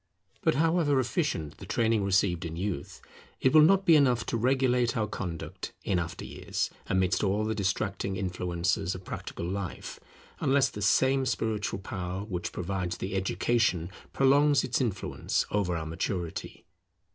[Organization of Public Opinion] But however efficient the training received in youth, it will not be enough to regulate our conduct in after years, amidst all the distracting influences of practical life, unless the same spiritual power which provides the education prolong its influence over our maturity.